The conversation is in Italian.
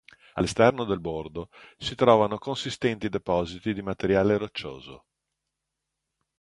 All'esterno del bordo si trovano consistenti depositi di materiale roccioso.